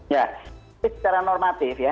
ya tapi secara normatif ya